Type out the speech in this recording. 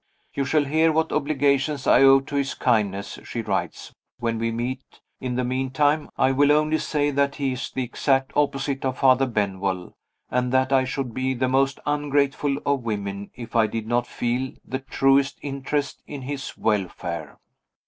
"You shall hear what obligations I owe to his kindness," she writes, "when we meet. In the meantime, I will only say that he is the exact opposite of Father Benwell, and that I should be the most ungrateful of women if I did not feel the truest interest in his welfare."